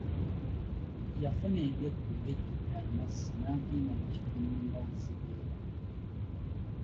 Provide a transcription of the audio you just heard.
Yafuna endeku ng'ejjudde amazzi n'agenda mu kifo ennumba we zibeera.